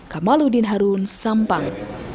kamaludin harun sampang